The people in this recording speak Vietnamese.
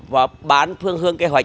và bán phương hương kế hoạch